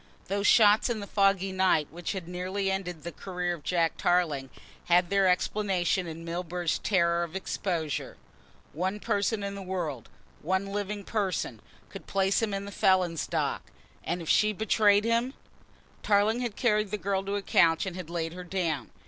Those shots in the foggy night which had nearly ended the career of Jack Tarling had their explanation in Milburgh's terror of exposure. One person in the world, one living person, could place him in the felon's dock, and if she betrayed him Tarling had carried the girl to a couch and had laid her down.